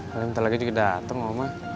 kalian nanti lagi juga datang mama